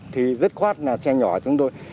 thì rất khoát là xe nhỏ chúng tôi